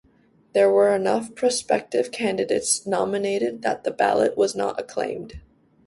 There were enough prospective candidates nominated that the ballot was not acclaimed.